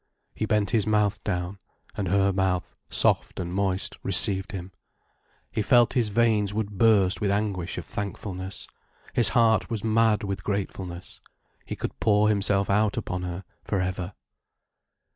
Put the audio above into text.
He bent his mouth down. And her mouth, soft and moist, received him. He felt his veins would burst with anguish of thankfulness, his heart was mad with gratefulness, he could pour himself out upon her for ever.